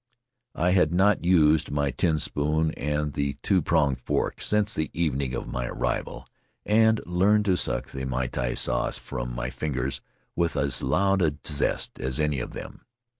I had not used my tin spoon and the two pronged fork since the evening of my arrival, and learned to suck the miti sauce from my fingers with as loud a zest as any of them.